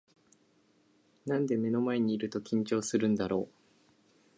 なんで目の前にいると緊張するんだろう